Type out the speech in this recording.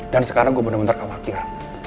dan sekarang gue bener bener khawatir